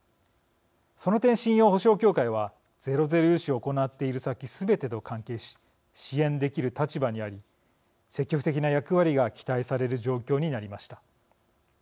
その点、信用保証協会はゼロゼロ融資を行っている先すべてと関係し支援できる立場にあり積極的な役割が期待される状況になりました。